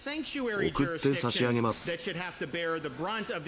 送って差し上げます。